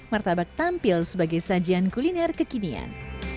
martabak tampil sebagai sajian kuliner kekinian